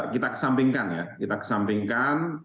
kita kesampingkan ya kita kesampingkan